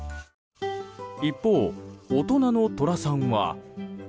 一方、大人のトラさんは。